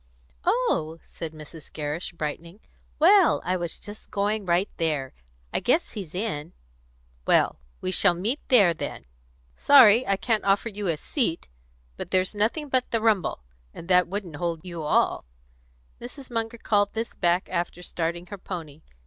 "Oh!" said Mrs. Gerrish, brightening. "Well, I was just going right there. I guess he's in." "Well, we shall meet there, then. Sorry I can't offer you a seat. But there's nothing but the rumble, and that wouldn't hold you all." Mrs. Munger called this back after starting her pony.